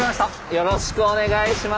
よろしくお願いします。